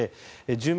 住民